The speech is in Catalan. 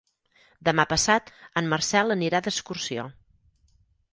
Demà passat en Marcel anirà d'excursió.